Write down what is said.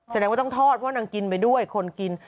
แสดงว่าต้องทอดว่านางกินไปด้วยคนกิน